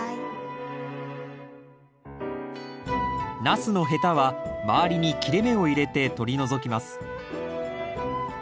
ナスのヘタは周りに切れ目を入れて取り除きます。